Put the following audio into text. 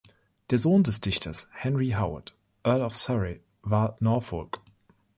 Der Sohn des Dichters Henry Howard, Earl of Surrey war Norfolk.